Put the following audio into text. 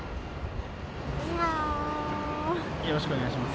よろしくお願いします。